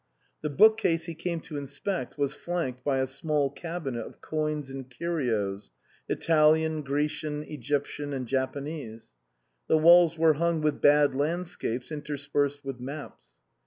The bookcase he came to inspect was flanked by a small cabinet of coins and curios Italian, Grecian, Egyptian and Japanese ; the walls were hung with bad landscapes inter spersed with maps.